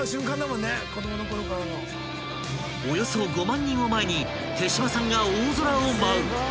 ［およそ５万人を前に手島さんが大空を舞う］